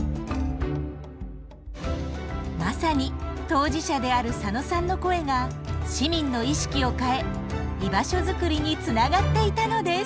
まさに当事者である佐野さんの声が市民の意識を変え居場所づくりにつながっていたのです。